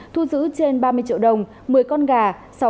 thu giữ trên ba mươi triệu đồng một mươi con gà